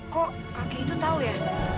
kok kakek itu tahu ya